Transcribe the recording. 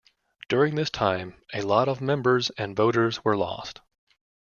During this time a lot of members and voters were lost.